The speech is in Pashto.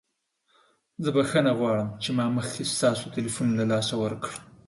زه بخښنه غواړم چې ما مخکې ستاسو تلیفون له لاسه ورکړ.